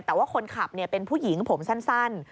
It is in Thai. แต่ว่าคนขับเป็นผู้หญิงผมสั้น